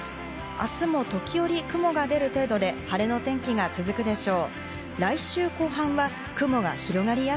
明日も時折雲が出る程度で晴れの天気が続くでしょう。